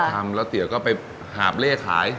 ทำแล้วเตี๋ยวก็ไปหาบเล่ขาย